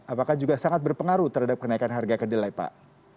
apakah juga sangat berpengaruh terhadap kenaikan harga kedelai pak